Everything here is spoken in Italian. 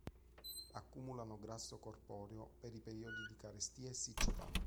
Accumulano grasso corporeo per i periodi di carestia e siccità.